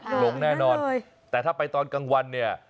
หลงแน่นอนแต่ถ้าไปตอนกลางวันเนี่ย